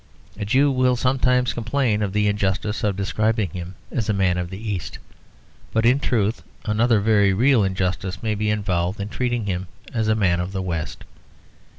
A Jew will sometimes complain of the injustice of describing him as a man of the East; but in truth another very real injustice may be involved in treating him as a man of the West.